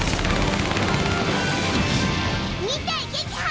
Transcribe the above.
２体撃破！